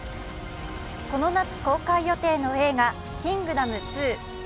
この夏公開予定の映画「キングダム２」。